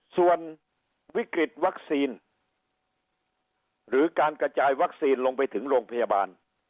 ส่วนวิกฤตวัคซีนหรือการกระจายวัคซีนลงไปถึงโรงพยาบาล